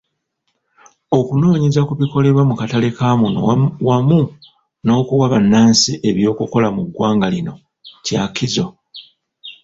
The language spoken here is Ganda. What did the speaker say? Okunoonyeza ku bikolebwa mu katale kamuno wamu n'okuwa bannansi eby'okukola mu ggwanga lino kyakizo.